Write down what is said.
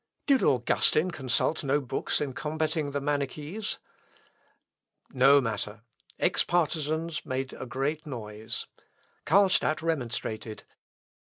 "Did Augustine consult no books in combating the Manichees?" No matter! Eck's partisans made a great noise. Carlstadt remonstrated.